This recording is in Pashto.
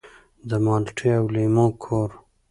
د مالټې او لیمو کور.